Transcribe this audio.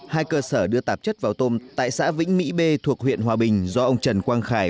hai cơ sở đưa tạp chất vào tôm tại xã vĩnh mỹ b thuộc huyện hòa bình do ông trần quang khải